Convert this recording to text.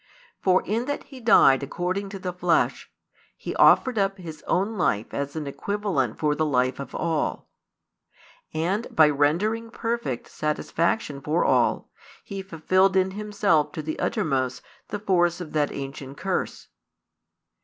For in that He died according to the flesh, He offered up His own life as an equivalent for the life of all; and by rendering perfect satisfaction for all, He fulfilled in Himself to the uttermost the force of that ancient curse.